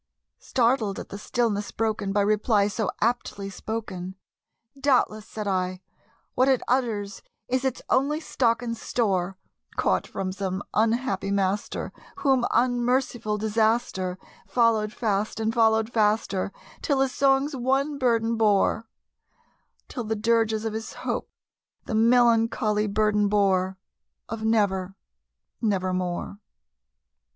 Startled at the stillness broken by reply so aptly spoken, "Doubtless," said I, "what it utters is its only stock and store, Caught from some unhappy master whom unmerciful Disaster Followed fast and followed faster till his songs one burden bore Till the dirges of his Hope the melancholy burden bore Of 'Never nevermore.'"